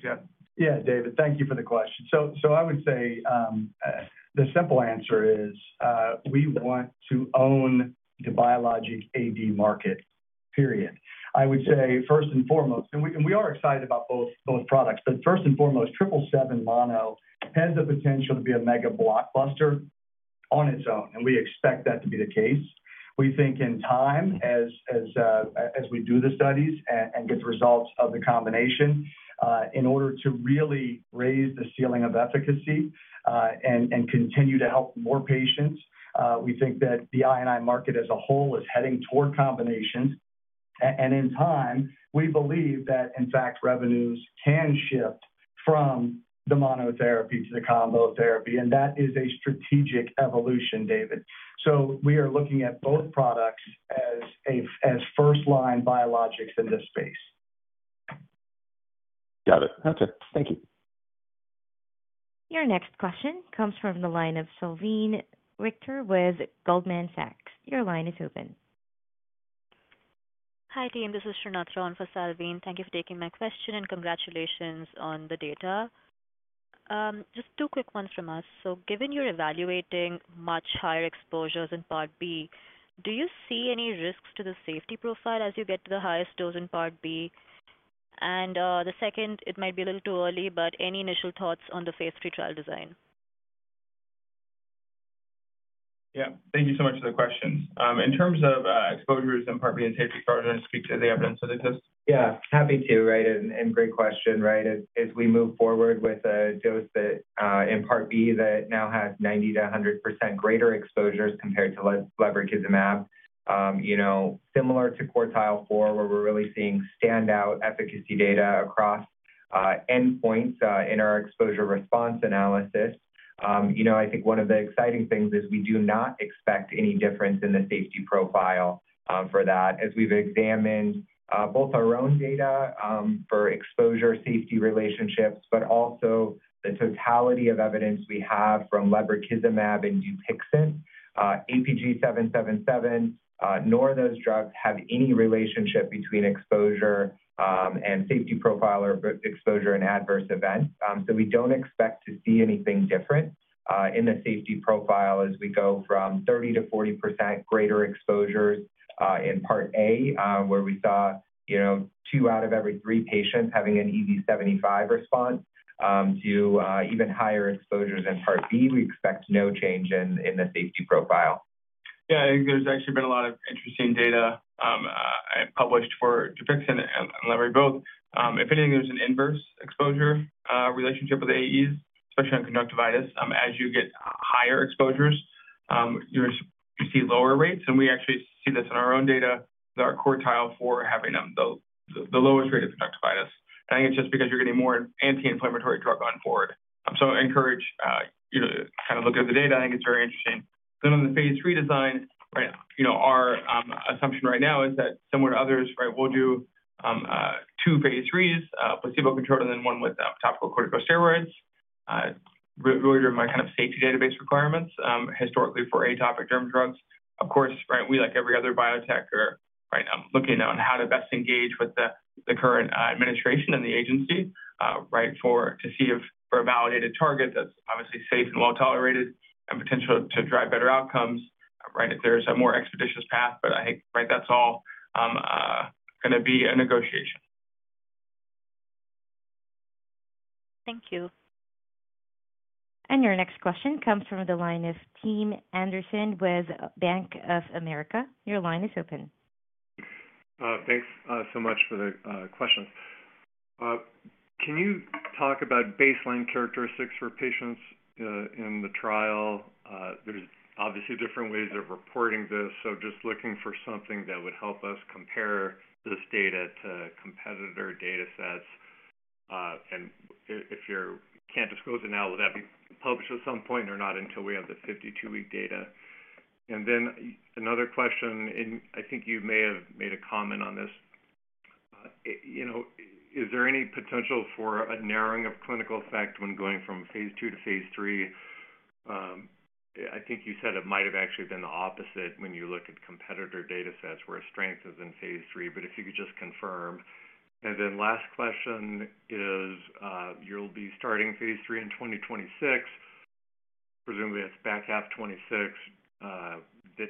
Jeff. Yeah, David, thank you for the question. I would say the simple answer is we want to own the biologic AD market, period. I would say first and foremost, and we are excited about both products, but first and foremost, 777 mono has the potential to be a mega blockbuster on its own, and we expect that to be the case. We think in time, as we do the studies and get the results of the combination, in order to really raise the ceiling of efficacy and continue to help more patients, we think that the I&I market as a whole is heading toward combinations. In time, we believe that, in fact, revenues can shift from the monotherapy to the combo therapy, and that is a strategic evolution, David. We are looking at both products as first-line biologics in this space. Got it. Okay, thank you. Your next question comes from the line of Salveen Richter with Goldman Sachs. Your line is open. Hi, team. This is Srinath Rowan for Salveen. Thank you for taking my question and congratulations on the data. Just two quick ones from us. Given you're evaluating much higher exposures in Part B, do you see any risks to the safety profile as you get to the highest dose in Part B? The second, it might be a little too early, but any initial thoughts on the Phase III trial design? Thank you so much for the questions. In terms of exposures in Part B and safety profile, do you want to speak to the evidence that exists? Yeah, happy to, right? Great question. As we move forward with a dose in Part B that now has 90%-100% greater exposures compared to lebrikizumab, similar to quartile four, where we're really seeing standout efficacy data across endpoints in our exposure response analysis, I think one of the exciting things is we do not expect any difference in the safety profile for that. As we've examined both our own data for exposure safety relationships, and also the totality of evidence we have from lebrikizumab and Dupixent, APG-777, nor those drugs have any relationship between exposure and safety profile or exposure and adverse event. We don't expect to see anything different in the safety profile as we go from 30%-40% greater exposures in Part A, where we saw two out of every three patients having an EASI-75 response, to even higher exposures in Part B. We expect no change in the safety profile. Yeah, there's actually been a lot of interesting data published for Dupixent and lebrikizumab both. If anything, there's an inverse exposure relationship with the AEs, especially on conjunctivitis. As you get higher exposures, you see lower rates, and we actually see this in our own data with our quartile four having the lowest rate of conjunctivitis. I think it's just because you're getting more anti-inflammatory drug on board. I encourage you to kind of look at the data. I think it's very interesting. On the Phase III design, our assumption right now is that similar to others, we'll do two Phase IIIs, placebo-controlled and then one with topical corticosteroids, really during my kind of safety database requirements historically for atopic derm drugs. Of course, like every other biotech, I'm looking at how to best engage with the current administration and the agency to see if for a validated target that's obviously safe and well tolerated and potential to drive better outcomes, if there's a more expeditious path. I think that's all going to be a negotiation. Thank you. Your next question comes from the line of Tim Anderson with BofA Securities. Your line is open. Thanks so much for the questions. Can you talk about baseline characteristics for patients in the trial? There's obviously different ways of reporting this. Just looking for something that would help us compare this data to competitor data sets. If you can't disclose it now, will that be published at some point or not until we have the 52-week data? Another question, I think you may have made a comment on this. Is there any potential for a narrowing of clinical effect when going from Phase II to Phase III? I think you said it might have actually been the opposite when you look at competitor data sets where strength is in Phase III. If you could just confirm. Last question is, you'll be starting Phase III in 2026. Presumably that's back half 2026.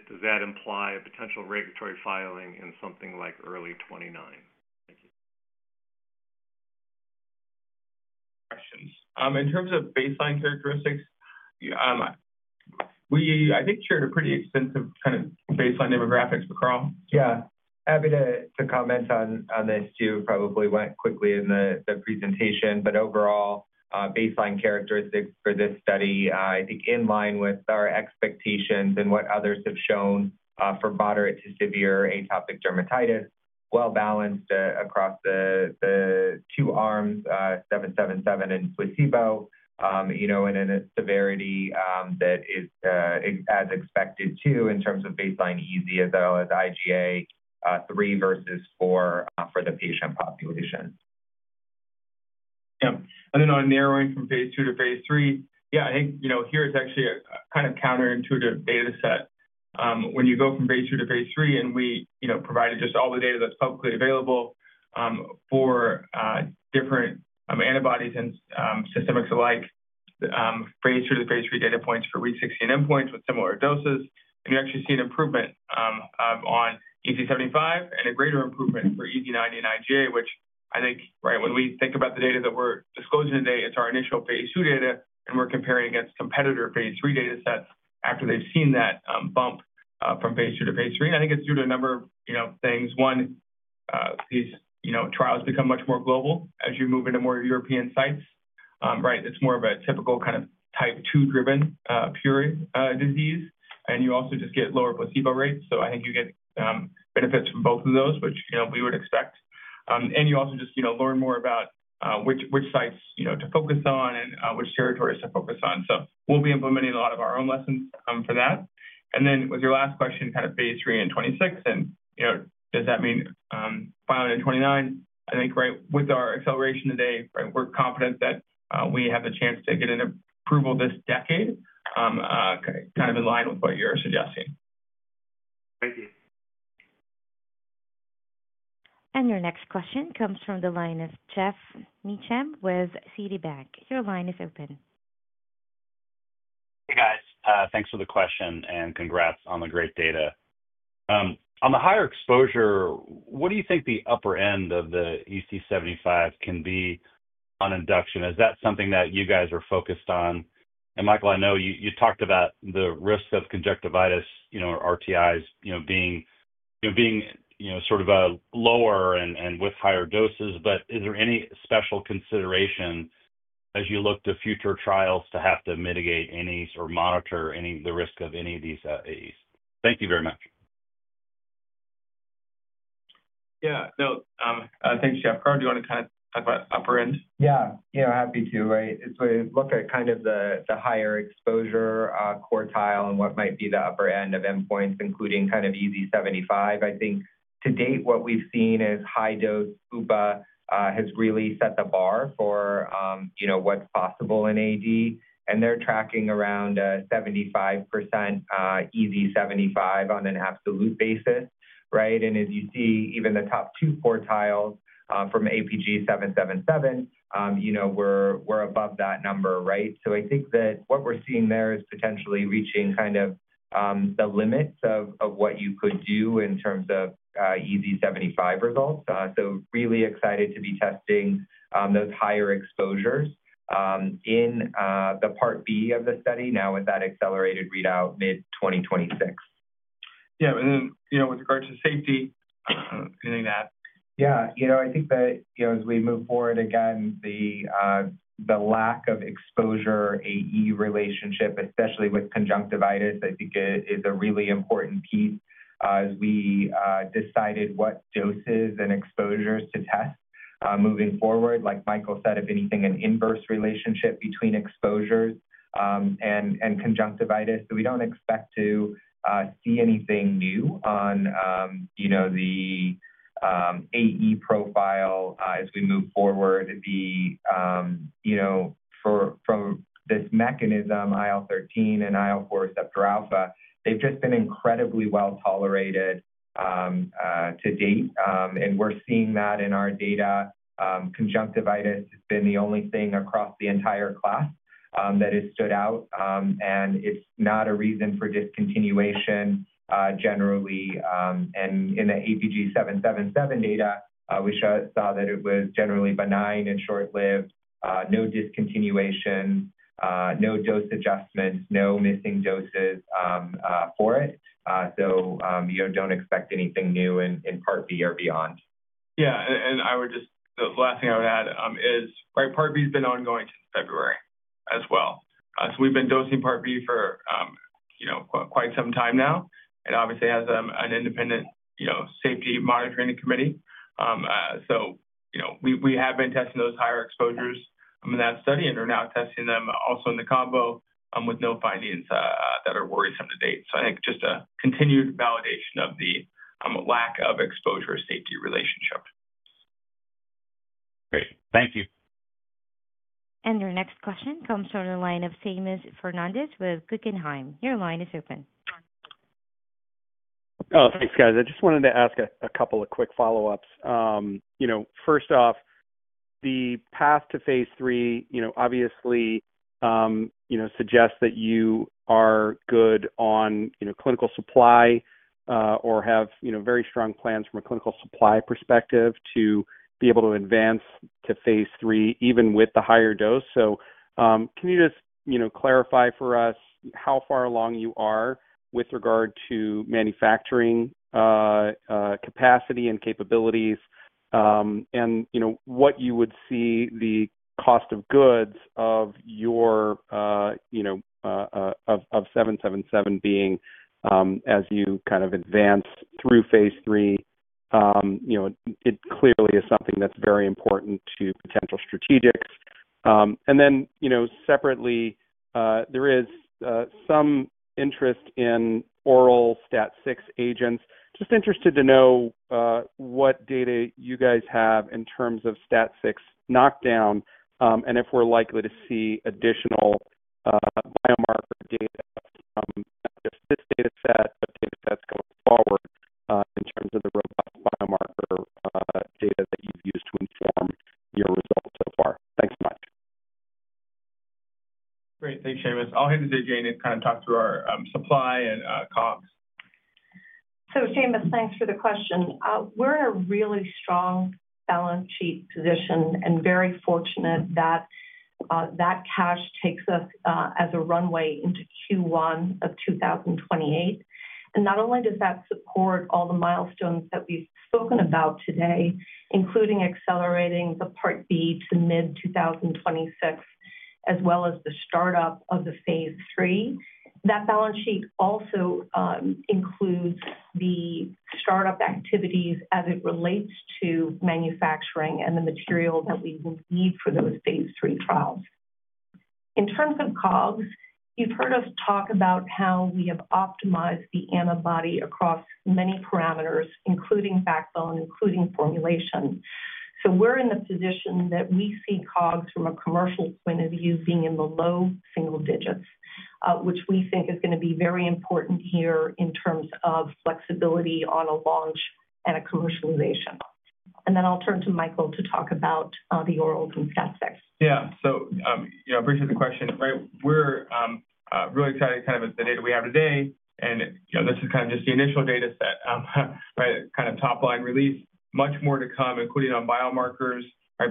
Does that imply a potential regulatory filing in something like early 2029? Thank you. Questions. In terms of baseline characteristics, I think you shared a pretty extensive kind of baseline demographics, but Carl? Yeah, happy to comment on this too. Probably went quickly in the presentation. Overall, baseline characteristics for this study, I think in line with our expectations and what others have shown for moderate to severe atopic dermatitis, well balanced across the two arms, APG-777 and placebo, and in a severity that is as expected too in terms of baseline EASI as well as IgA 3 versus 4 for the patient population. Yeah. On narrowing from Phase II to Phase III, I think here it's actually a kind of counterintuitive data set. When you go from Phase II to Phase III, and we provided just all the data that's publicly available for different antibodies and systemics alike, Phase II to Phase III data points for week 16 endpoints with similar doses, you actually see an improvement on EASI-75 and a greater improvement for EASI-90 and IgA, which I think when we think about the data that we're disclosing today, it's our initial Phase II data, and we're comparing against competitor Phase III data sets after they've seen that bump from Phase II to Phase III. I think it's due to a number of things. These trials become much more global as you move into more European sites. It's more of a typical kind of type 2-driven purine disease, and you also just get lower placebo rates. I think you get benefits from both of those, which we would expect. You also just learn more about which sites to focus on and which territories to focus on. We'll be implementing a lot of our own lessons for that. With your last question, kind of Phase III in 2026, and does that mean filing in 2029? I think with our acceleration today, we're confident that we have the chance to get an approval this decade, kind of in line with what you're suggesting. Thank you. Your next question comes from the line of Geoff Meacham with Jefferies. Your line is open. Hey, guys. Thanks for the question and congrats on the great data. On the higher exposure, what do you think the upper end of the EASI-75 can be on induction? Is that something that you guys are focused on? Michael, I know you talked about the risk of conjunctivitis, RTIs, being sort of lower and with higher doses, but is there any special consideration as you look to future trials to have to mitigate any or monitor the risk of any of these AEs? Thank you very much. Yeah, no, thanks, Geoff. Carl, do you want to kind of talk about upper end? Yeah, happy to. Right? We look at kind of the higher exposure quartile and what might be the upper end of endpoints, including kind of EASI-75. I think to date, what we've seen is high dose lebrikizumab has really set the bar for what's possible in AD, and they're tracking around 75% EASI-75 on an absolute basis. As you see, even the top two quartiles from APG-777 were above that number. I think that what we're seeing there is potentially reaching kind of the limits of what you could do in terms of EASI-75 results. Really excited to be testing those higher exposures in the Part B of the study now with that accelerated readout mid-2026. Yeah, with regard to safety, anything to add? Yeah, you know, I think that as we move forward, again, the lack of exposure AE relationship, especially with conjunctivitis, I think is a really important piece as we decided what doses and exposures to test moving forward. Like Michael said, if anything, an inverse relationship between exposures and conjunctivitis. We don't expect to see anything new on the AE profile as we move forward. From this mechanism, IL-13 and IL-4 receptor alpha, they've just been incredibly well tolerated to date, and we're seeing that in our data. Conjunctivitis has been the only thing across the entire class that has stood out, and it's not a reason for discontinuation generally. In the APG-777 data, we saw that it was generally benign and short-lived, no discontinuations, no dose adjustments, no missing doses for it. You don't expect anything new in Part B or beyond. Yeah, the last thing I would add is Part B has been ongoing since February as well. We've been dosing Part B for quite some time now and obviously have an independent safety monitoring committee. We have been testing those higher exposures in that study and are now testing them also in the combo with no findings that are worrisome to date. I think just a continued validation of the lack of exposure safety relationship. Great. Thank you. Your next question comes from the line of Seamus Fernandez with Guggenheim. Your line is open. Oh, thanks, guys. I just wanted to ask a couple of quick follow-ups. First off, the path to Phase III obviously suggests that you are good on clinical supply or have very strong plans from a clinical supply perspective to be able to advance to Phase III even with the higher dose. Can you just clarify for us how far along you are with regard to manufacturing capacity and capabilities and what you would see the cost of goods of 777 being as you kind of advance through Phase III? It clearly is something that's very important to potential strategics. There is some interest in oral STAT6 agents. Just interested to know what data you guys have in terms of STAT6 knockdown and if we're likely to see additional biomarker data from not just this data set, but data sets going forward in terms of the robust biomarker data that you've used to inform your results so far. Thanks so much. Great. Thanks, Jane. I'll hand it to Jane to kind of talk through our supply and COGS. Thank you for the question. We're in a really strong balance sheet position and very fortunate that that cash takes us as a runway into Q1 of 2028. Not only does that support all the milestones that we've spoken about today, including accelerating the Part B to mid-2026, as well as the startup of the Phase III, that balance sheet also includes the startup activities as it relates to manufacturing and the material that we will need for those Phase III trials. In terms of COGS, you've heard us talk about how we have optimized the antibody across many parameters, including backbone, including formulation. We're in the position that we see COGS from a commercial point of view being in the low single digits, which we think is going to be very important here in terms of flexibility on a launch and a commercialization. I'll turn to Michael to talk about the orals and STAT6. Yeah, briefly the question, we're really excited at the data we have today. This is just the initial data set, top-line release. Much more to come, including on biomarkers,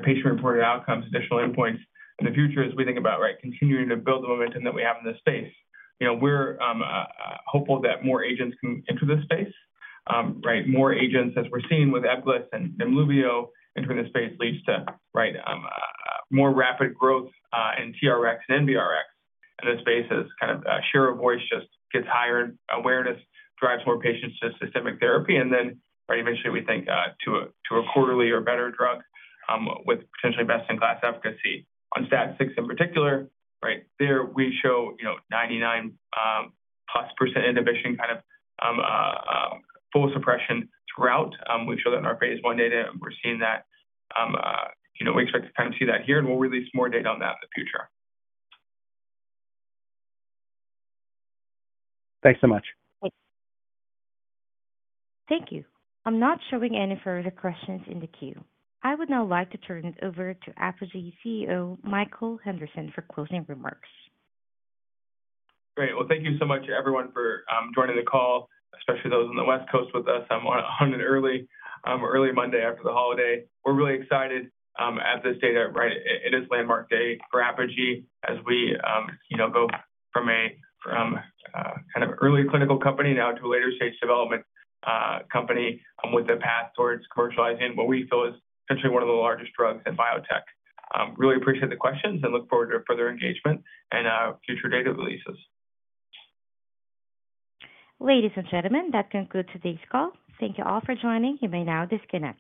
patient-reported outcomes, additional endpoints in the future as we think about continuing to build the momentum that we have in this space. We're hopeful that more agents can enter this space. More agents, as we're seeing with lebrikizumab and nemolizumab entering this space, lead to more rapid growth in TRx and NRx in this space as a share of voice just gets higher and awareness drives more patients to systemic therapy. Eventually, we think to a quarterly or better drug with potentially best-in-class efficacy. On STAT6 in particular, there we show 99+% inhibition, full suppression throughout. We've shown that in our Phase I data, and we're seeing that. We expect to see that here, and we'll release more data on that in the future. Thanks so much. Thank you. I'm not showing any further questions in the queue. I would now like to turn it over to Apogee Therapeutics CEO Michael Henderson for closing remarks. Great. Thank you so much, everyone, for joining the call, especially those on the West Coast with us on an early Monday after the holiday. We're really excited at this data. It is a landmark day for Apogee Therapeutics as we go from a.Kind of an early clinical company now to a later stage development company, with a path towards commercializing what we feel is potentially one of the largest drugs in biotech. Really appreciate the questions and look forward to further engagement and future data releases. Ladies and gentlemen, that concludes today's call. Thank you all for joining. You may now disconnect.